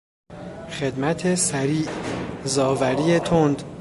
خدمت سریع، زاوری تند